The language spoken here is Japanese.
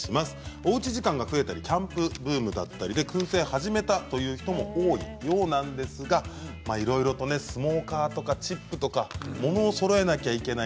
おうち時間が増えたりキャンプブームだったりくん製を始めたという人も多いようなんですがいろいろとスモーカーとかチップとか物をそろえなければいけない。